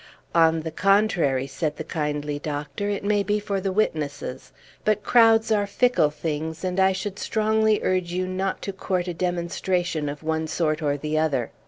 "On the contrary," said the kindly doctor, "it may be for the witnesses; but crowds are fickle things; and I should strongly urge you not to court a demonstration of one sort or the other.